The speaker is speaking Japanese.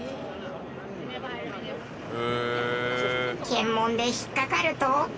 検問で引っかかると。